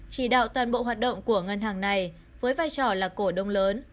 chỉ đạo toàn bộ hoạt động của ngân hàng này với vai trò là cổ đông lớn